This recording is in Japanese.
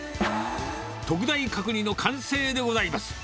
特大角煮の完成でございます。